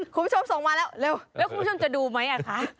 คุณผู้ชมส่งมาแล้วเร็วแล้วคุณผู้ชมจะดูไหมคะ